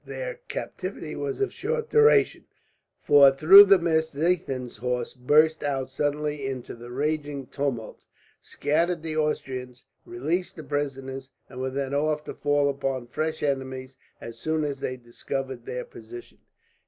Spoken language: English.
Their captivity was of short duration, for through the mist Ziethen's horse burst out suddenly into the raging tumult, scattered the Austrians, released the prisoners, and were then off to fall upon fresh enemies, as soon as they discovered their position.